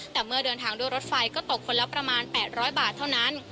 แต่เมื่อเดินทางด้วยรถไฟก็ตกคนละประมาณ๘๐๐บาทเท่านั้น